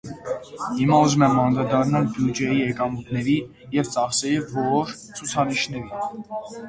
Հիմա ուզում եմ անդրադառնալ բյուջեի եկամուտների և ծախսերի որոշ ցուցանիշների: